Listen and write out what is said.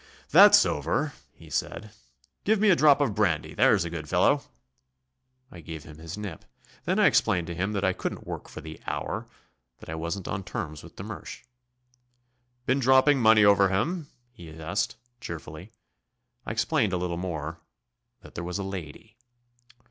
"That's over," he said. "Give me a drop of brandy there's a good fellow." I gave him his nip. Then I explained to him that I couldn't work for the Hour; that I wasn't on terms with de Mersch. "Been dropping money over him?" he asked, cheerfully. I explained a little more that there was a lady.